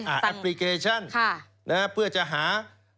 ตั้งค่ะแอปพลิเคชันเพื่อจะหา